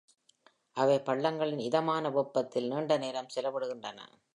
அவை பள்ளங்களின் இதமான வெப்பத்தில் நீண்ட நேரம் செலவிடுகின்றன.